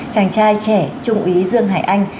chàng trai trẻ trung úy dương hải anh